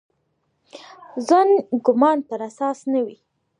ظن ګومان پر اساس نه وي.